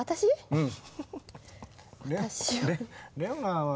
うん。